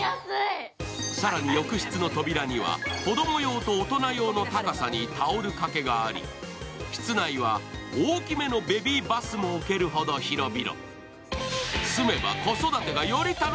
更に浴室の扉には子供用と大人用の高さにタオル掛けがあり室内は大きめのベビーバスも置けるほど広々。